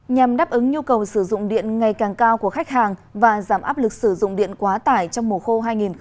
nhằm đáp ứng nhu cầu sử dụng điện ngày càng cao của khách hàng và giảm áp lực sử dụng điện quá tải trong mùa khô hai nghìn hai mươi bốn